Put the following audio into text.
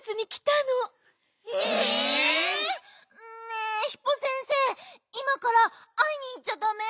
ねえヒポ先生いまからあいにいっちゃだめ？